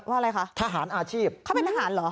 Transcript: อะไรคะทหารอาชีพเขาเป็นทหารเหรอ